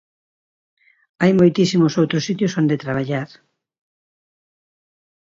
Hai moitísimos outros sitios onde traballar.